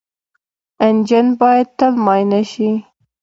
انجن باید تل معاینه شي.